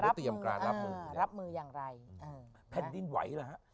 เตรียมการรับมือรับมืออย่างไรอ่าแผ่นดินไหวเหรอฮะ